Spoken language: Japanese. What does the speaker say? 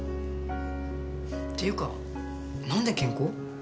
っていうか何で「健康」？